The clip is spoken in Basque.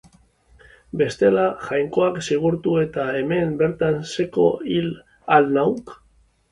Bestela, Jainkoak zigortu eta hemen bertan seko hilko ahal nauk!